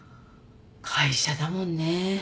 会社だもんね。